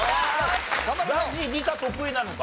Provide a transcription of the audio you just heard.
ＺＡＺＹ理科得意なのか？